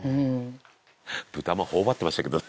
「豚まん頬張ってましたけど。